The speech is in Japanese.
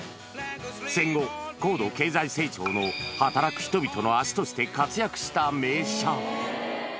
戦後、高度経済成長の働く人々の足として活躍した名車。